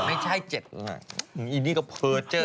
ไม่ใช่๗อีนี่ก็เพอร์เจอร์